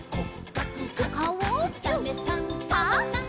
「サメさんサバさん」